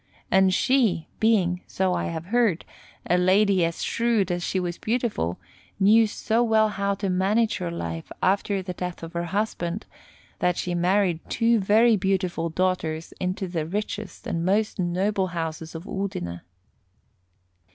And she, being, so I have heard, a lady as shrewd as she was beautiful, knew so well how to manage her life after the death of her husband, that she married two very beautiful daughters into the richest and most noble houses of Udine.